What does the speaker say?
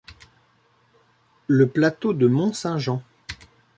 Le plateau de Mont-Saint-Jean